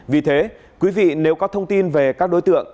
vì thế quý vị nếu có thông tin về các đối tượng